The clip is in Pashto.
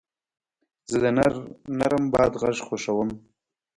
زه د نرم باد غږ خوښوم.